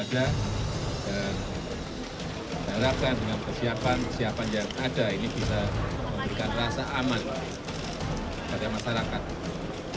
dan saya harapkan dengan kesiapan kesiapan yang ada ini bisa memberikan rasa aman kepada masyarakat